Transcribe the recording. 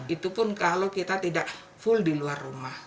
itu pun kalau kita tidak full di luar rumah